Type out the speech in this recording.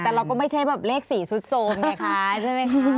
แต่เราก็ไม่ใช่แบบเลข๔ซุดโทรมไงคะใช่ไหมคะ